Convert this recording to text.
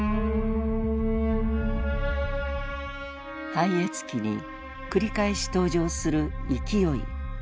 「拝謁記」に繰り返し登場する「勢」。